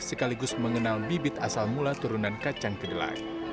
sekaligus mengenal bibit asal mula turunan kacang kedelai